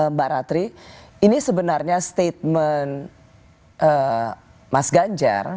mbak ratri ini sebenarnya statement mas ganjar